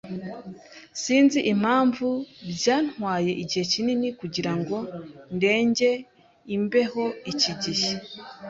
Sinzi impamvu byantwaye igihe kinini kugirango ndenge imbeho iki gihe.